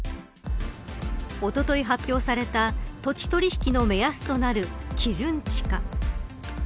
おととい発表された土地取引の目安となる基準地価。